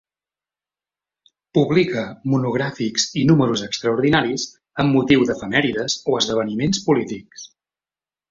Publica monogràfics i números extraordinaris amb motiu d'efemèrides o esdeveniments polítics.